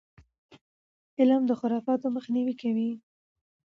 علم د خرافاتو مخنیوی کوي.